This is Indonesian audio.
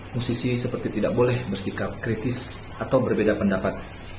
musisi seperti tidak boleh bersikap kritis atau berbeda pendapat